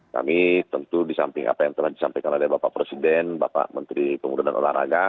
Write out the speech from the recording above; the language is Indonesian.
kami tentu disamping apa yang telah disampaikan oleh bapak presiden bapak menteri pengurusan olahraga